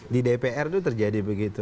di dpr itu terjadi begitu